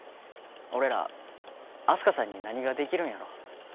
俺らあす花さんに何ができるんやろ